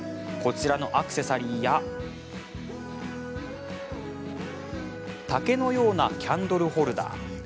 こちらのアクセサリーや竹のようなキャンドルホルダー。